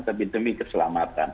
tapi demi keselamatan